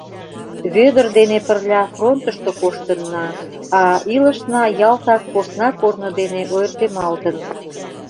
Вӧдыр дене пырля фронтышто коштынна, а илышна ялтак посна корно дене ойыртемалтын.